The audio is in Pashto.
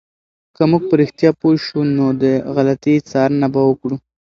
که موږ په رښتیا پوه شو، نو د غلطي څارنه به وکړو.